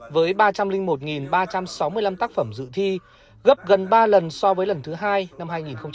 với ba trăm linh một ba trăm sáu mươi năm tác phẩm dự thi gấp gần ba lần so với lần thứ hai năm hai nghìn một mươi tám